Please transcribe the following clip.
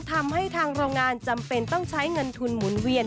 ทำให้ทางโรงงานจำเป็นต้องใช้เงินทุนหมุนเวียน